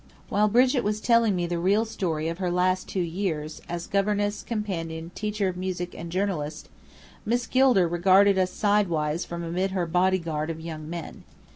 While Brigit was telling me the real story of her last two years, as governess, companion, teacher of music, and journalist, Miss Gilder regarded us sidewise from amid her bodyguard of young men.